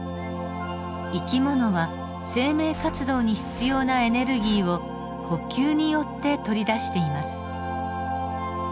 生き物は生命活動に必要なエネルギーを呼吸によって取り出しています。